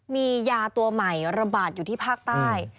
มียาตัวใหม่ระบาดอยู่ที่ภาคใต้